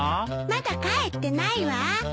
まだ帰ってないわ。